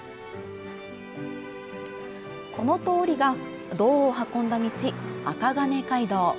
この通りが銅を運んだ道、あかがね街道。